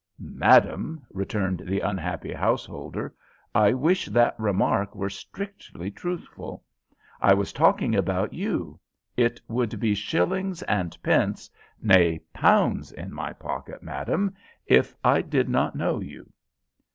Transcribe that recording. "Madam," returned the unhappy householder, "I wish that remark were strictly truthful. I was talking about you. It would be shillings and pence nay, pounds, in my pocket, madam, if I did not know you."